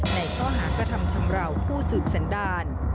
ในข้อหากระทำชำราวผู้สืบสันดาล